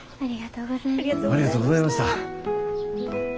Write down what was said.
ありがとうございます。